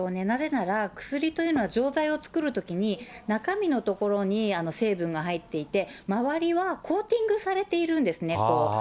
なぜなら薬というのは、錠剤を作るときに、中身のところに成分が入っていて、周りはコーティングされているんですね、こう。